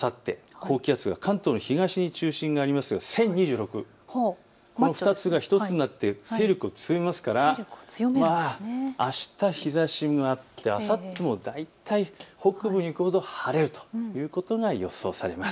高気圧が関東の東、中心にありますから１０２６、これが１つになって勢力を強めますからあした日ざしがあってあさっても大体、北部に行くほど晴れるということが予想されます。